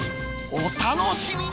お楽しみに！